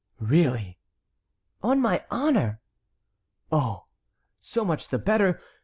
"Really?" "On my honor!" "Oh! so much the better!